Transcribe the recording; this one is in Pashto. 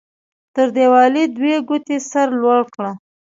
تر دیوالۍ دوې ګوتې سر لوړ کړه.